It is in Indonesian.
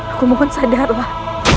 aku mohon sadarlah